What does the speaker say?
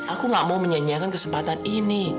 aku gak mau menyanyikan kesempatan ini